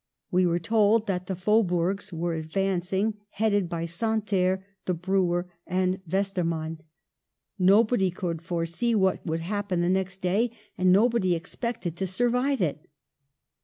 We were told that the fau bourgs were advancing headed by Santerre the brewer and Westermann. .. Nobody could foresee what would happen the next day, and nobody expected to survive it.